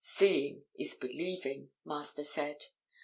"Seeing is believing," Master said.